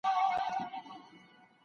په خبر سو معامیلې دي نوري نوري